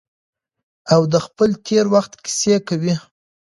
او د خپل تیر وخت کیسې کوي.